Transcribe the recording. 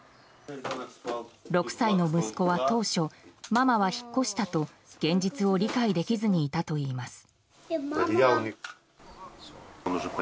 ６歳の息子は当初ママは引っ越したと現実を理解できずにいたといいます。